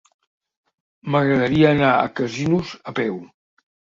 M'agradaria anar a Casinos a peu.